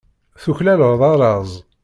Tuklaleḍ arraz.